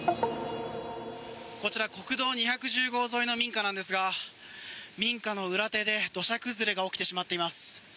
こちら国道２１０号沿いの民家なんですが民家の裏手で土砂崩れが起きてしまっています。